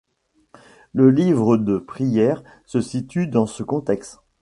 Le livre de prières se situe dans ce contexte.